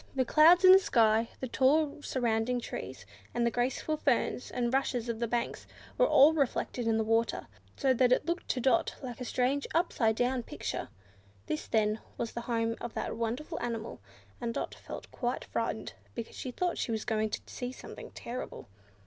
The clouds in the sky, the tall surrounding trees, and the graceful ferns and rushes of the banks, were all reflected in the water, so that it looked to Dot like a strange upside down picture. This, then, was the home of that wonderful animal; and Dot felt quite frightened, because she thought she was going to see something terrible.